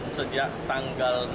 sejak tanggal ini